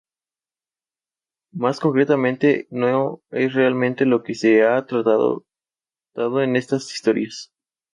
Si hubiera tenido cualquier capacidad alguna para tomar problemas, habría sido un genio".